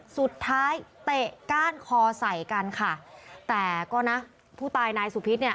เตะก้านคอใส่กันค่ะแต่ก็นะผู้ตายนายสุพิษเนี่ย